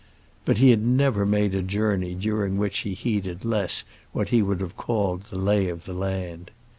But he had never made a journey during which he heeded less what he would have called the lay of the land.